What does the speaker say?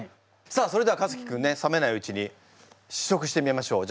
さあそれではかつき君ね冷めないうちに試食してみましょう。